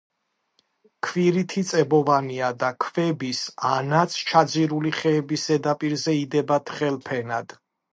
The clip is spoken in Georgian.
ქვირითი წებოვანია და ქვების, ანაც ჩაძირული ხეების ზედაპირზე იდება თხელ ფენად.